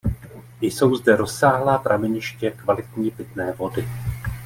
Jsou zde rozsáhlá prameniště kvalitní pitné vody.